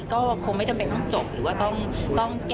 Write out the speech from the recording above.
ก็คงไม่จำเป็นต้องจบหรือว่าต้องแก้อะไรนะคะ